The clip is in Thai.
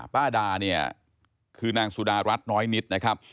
ป้าดาเนี่ยคือนางสุดารัฐน้อยนิดนะครับ